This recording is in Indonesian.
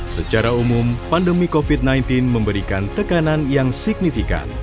secara umum pandemi covid sembilan belas memberikan tekanan yang signifikan